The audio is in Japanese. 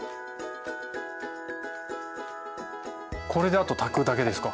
これであと炊くだけですか。